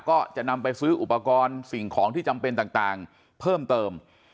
ก็จะนำไปซื้ออุปกรณ์สิ่งของที่จำเป็นต่างเพิ่มเติม